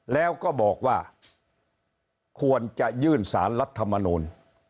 แล้วก็บอกว่าควรจะยื่นสารรัฐมนูล